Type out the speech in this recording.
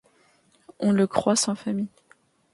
On le croit sans famille.